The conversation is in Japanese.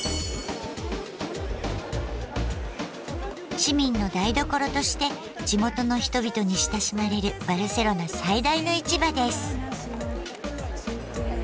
市民の台所として地元の人々に親しまれるバルセロナ最大の市場です。